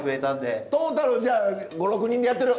あトータルじゃあ５６人でやってる？